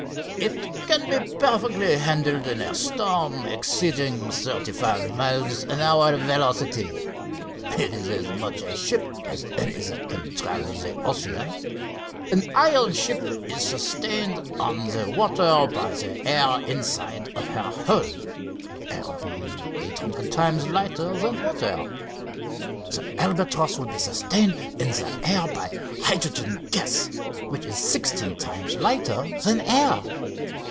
"It can be perfectly handled in a storm exceeding thirty five miles an hour velocity. It is as much of a ship as any that can travel the ocean. An iron ship is sustained on the water by the air inside of her hull, air being eight hundred times lighter than water. The Albatross will be sustained in the air by hydrogen gas, which is sixteen times lighter than air."